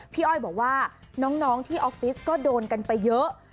อ้อยบอกว่าน้องที่ออฟฟิศก็โดนกันไปเยอะ